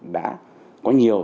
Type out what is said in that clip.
đã có nhiều